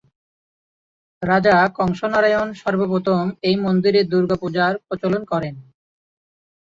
রাজা কংস নারায়ণ সর্বপ্রথম এই মন্দিরে দুর্গাপূজার প্রচলন করেন।